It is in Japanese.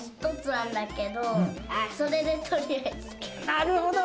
なるほど。